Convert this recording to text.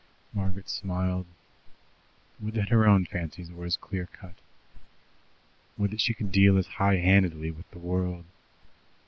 Margaret smiled. Would that her own fancies were as clear cut! Would that she could deal as high handedly with the world!